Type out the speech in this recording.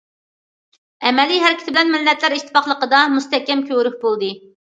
ئەمەلىي ھەرىكىتى بىلەن مىللەتلەر ئىتتىپاقلىقىدا مۇستەھكەم كۆۋرۈك بولدى.